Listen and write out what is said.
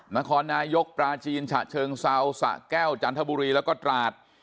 นครนายกปลาจีนฉะเชิงเซาสะแก้วจันทบุรีแล้วก็ตราด